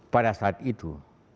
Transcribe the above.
pada saat itu